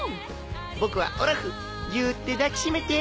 僕はオラフぎゅって抱き締めて！